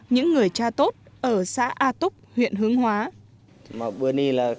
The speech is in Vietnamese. những người cha tốt ở xã a túc huyện hướng hóa